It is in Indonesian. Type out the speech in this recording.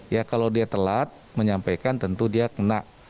ya kalau dia telat menyampaikan tentu dia kena